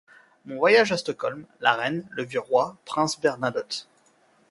Mon voyage à Stockholm, la reine, le vieux roi, prince Bernadotte.